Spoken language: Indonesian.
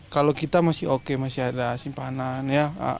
kalau kita masih oke masih ada simpanan ya